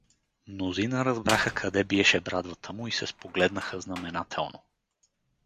Мнозина разбраха къде биеше брадвата му и се спогледнаха знаменателно.